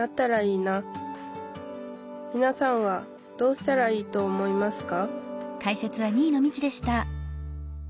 みなさんはどうしたらいいと思いますか？